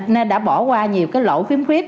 nên đã bỏ qua nhiều lỗ phiếm khuyết